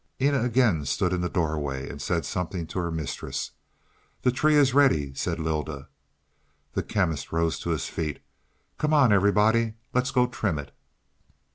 Eena again stood in the doorway and said something to her mistress. "The tree is ready," said Lylda. The Chemist rose to his feet. "Come on, everybody; let's go trim it."